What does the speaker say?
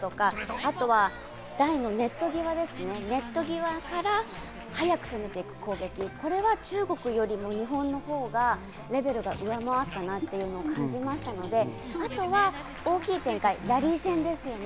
あとは台のネットぎわですね、ネットぎわから速く攻めていく攻撃、これは中国よりも日本のほうがレベルが上回ったなというのを感じましたので、あとは大きい展開、ラリー戦ですね。